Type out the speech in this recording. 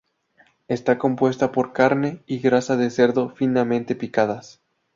Está compuesta por carne y grasa de cerdo finamente picadas.